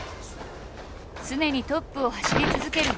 常にトップを走り続ける郷。